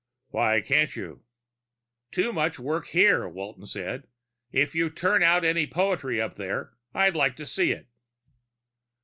"Why can't you?" "Too much work here," Walton said. "If you turn out any poetry up there, I'd like to see it."